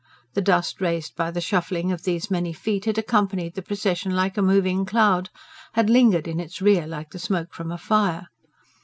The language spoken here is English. The dust raised by the shuffling of these many feet had accompanied the procession like a moving cloud; had lingered in its rear like the smoke from a fire.